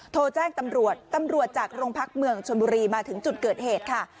โทรแจ้งตำรวจตำรวจจากโรงพักเมืองชนบุรีมาถึงจุดเกิดเหตุค่ะ